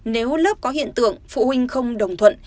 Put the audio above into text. nếu lớp có hiện tượng phụ huynh không đồng thuận